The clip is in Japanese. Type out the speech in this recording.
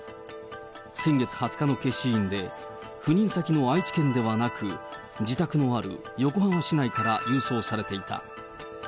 先月２０日の消印で、赴任先の愛知県ではなく、自宅のある横浜市内から郵送されていた。